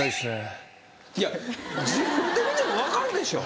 いや自分で見ても分かるでしょ。